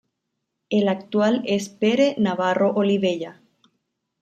El actual es Pere Navarro Olivella.